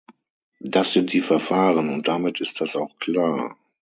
Das sind die Verfahren, und damit ist das auch klar.